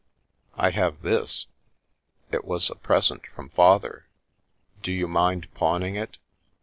" I have this. It was a present from Father." "Do you mind pawning it?"